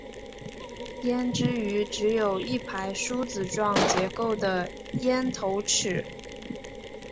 胭脂鱼只有一排梳子状结构的咽头齿。